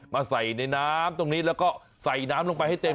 มาใส่ในน้ำตรงนี้แล้วก็ใส่น้ำลงไปให้เต็ม